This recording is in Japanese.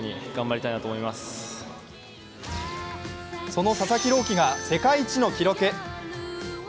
その佐々木朗希が世界一の記録。